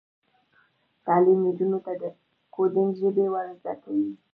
تعلیم نجونو ته د کوډینګ ژبې ور زده کوي.